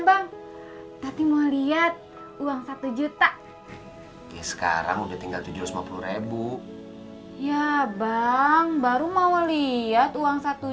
bang tapi mau lihat uang satu juta sekarang udah tinggal tujuh ratus lima puluh ya bang baru mau lihat uang satu